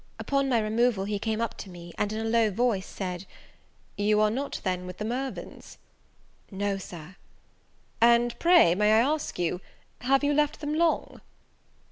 Upon my removal he came up to me, and, in a low voice, said, "You are not, then, with the Mirvans?" "No, Sir." "And pray, may I ask you, have you left them long?"